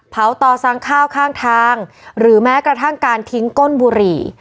ต่อสั่งข้าวข้างทางหรือแม้กระทั่งการทิ้งก้นบุหรี่